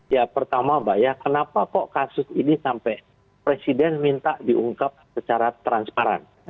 ya pertama mbak ya kenapa kok kasus ini sampai presiden minta diungkap secara transparan